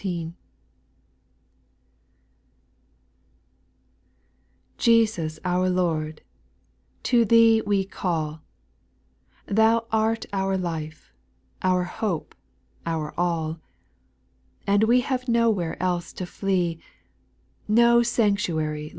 TESUS our Lord I to thee we call, el Thou art our life, our hope, our all ; And we have nowhere else to flee, No sanctuary.